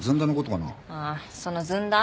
ああそのずんだ？